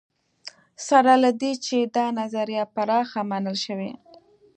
سره له دې چې دا نظریه پراخه منل شوې.